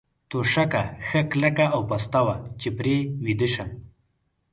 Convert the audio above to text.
توشکه ښه کلکه او پسته وه، چې پرې ویده شم.